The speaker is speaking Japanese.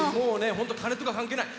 本当、鐘とか関係ない。